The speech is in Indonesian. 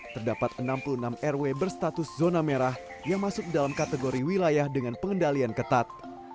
terdapat enam puluh enam rw berstatus zona merah yang masuk dalam kategori wilayah dengan pengendalian ketat